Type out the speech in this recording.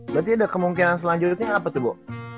berarti ada kemungkinan selanjutnya apa tuh bu